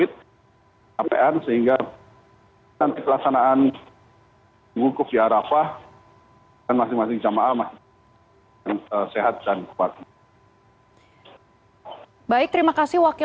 terima kasih pak